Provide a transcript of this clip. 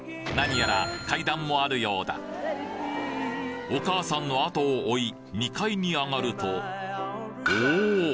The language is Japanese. なにやら階段もあるようだお母さんの後を追い２階に上がるとおぉ。